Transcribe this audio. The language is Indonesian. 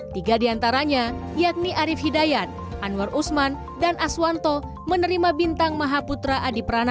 tiga diantaranya yakni arief hidayat anwar usman dan aswanto menerima bintang maha putra adi prana